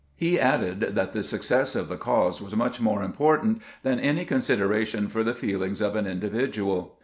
He added that the success of the cause was much more important than any consideration for the feelings of an individual.